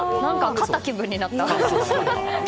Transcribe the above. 勝った気分になった。